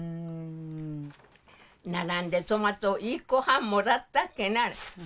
並んでトマト１個半もらったっけな。